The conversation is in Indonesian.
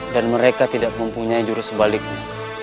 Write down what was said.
dan mereka tidak mempunyai jurus sebaliknya